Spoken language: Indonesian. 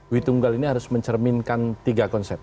witunggal ini harus mencerminkan tiga konsep